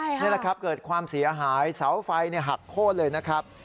นี่แหละครับเกิดความเสียหายเสาไฟหักโค้นเลยนะครับ